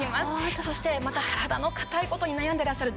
そしてまた体の硬い事に悩んでらっしゃる男性